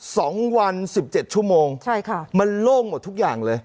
สองวันสิบเจ็ดชั่วโมงใช่ค่ะมันโล่งหมดทุกอย่างเลย